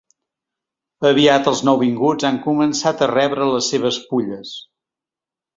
Aviat els nouvinguts han començat a rebre les seves pulles.